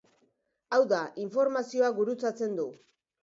Hau da, informazioa gurutzatzen du.